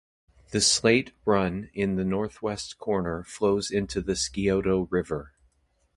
The Slate Run in the northwest corner flows into the Scioto River.